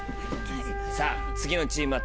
さぁ次のチームは。